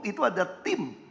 itu ada tim